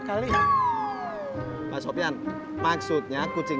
tebing berdapunganhai di rumah kulit